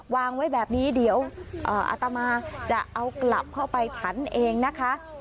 วางไว้แบบนี้เดี๋ยวอาตมาจะเอากลับเข้าไปฉันเองนะคะ